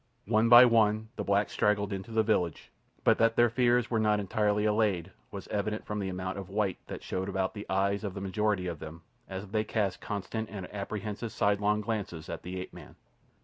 One by one the blacks straggled into the village, but that their fears were not entirely allayed was evident from the amount of white that showed about the eyes of the majority of them as they cast constant and apprehensive sidelong glances at the ape man.